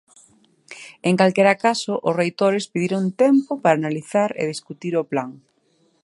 En calquera caso, os reitores pediron "tempo" para analizar e discutir o plan.